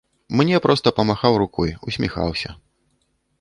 Мне проста памахаў рукой, усміхаўся.